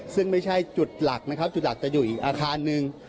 ซึ่งไม่ใช่จุดหลักนะครับจุดหลักจะอยู่อีกอาคารหนึ่ง